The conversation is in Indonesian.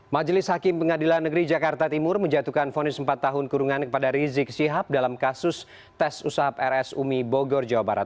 majelis hakim pengadilan negeri jakarta timur menjatuhkan fonis empat tahun kurungan kepada rizik syihab dalam kasus tes usaha rsumi bogor jawa barat